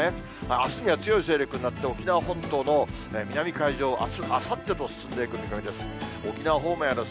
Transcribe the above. あすには強い勢力になって沖縄本島の南海上、あす、あさってと進んでいく見込みです。